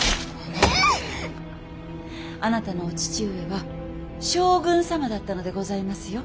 あなたのお父上は将軍様だったのでございますよ。